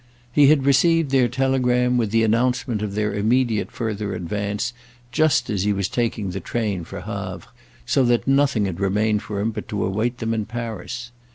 He had received their telegram, with the announcement of their immediate further advance, just as he was taking the train for Havre, so that nothing had remained for him but to await them in Paris.